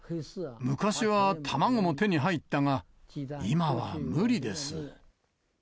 昔は卵も手に入ったが、今は無理です。